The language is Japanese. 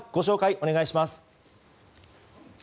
お願いします。